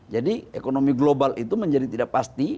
jadi ekonomi global itu menjadi tidak pasti